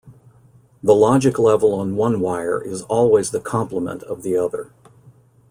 The logic level on one wire is always the complement of the other.